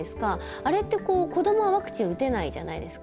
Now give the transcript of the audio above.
あれって子どもはワクチン打てないじゃないですか。